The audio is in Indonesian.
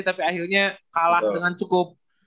tapi akhirnya kalah dengan cukup